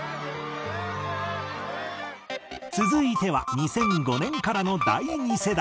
続いては２００５年からの第２世代。